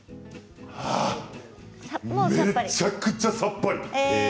めちゃくちゃさっぱり！